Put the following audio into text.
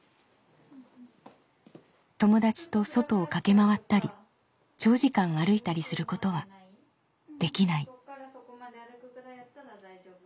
友達と外を駆け回ったり長時間歩いたりすることはできない。